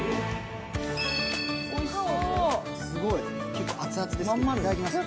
結構、熱々ですよ。